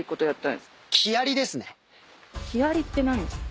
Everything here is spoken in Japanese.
木やりって何ですか？